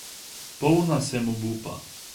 Polna sem obupa.